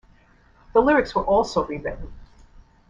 The lyrics were also re-written.